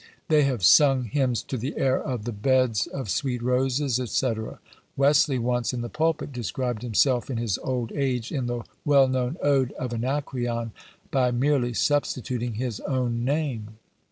They have sung hymns to the air of "The beds of sweet roses," &c. Wesley once, in the pulpit, described himself, in his old age, in the well known ode of Anacreon, by merely substituting his own name!